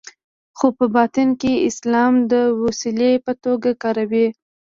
خو په باطن کې اسلام د وسیلې په توګه کاروي.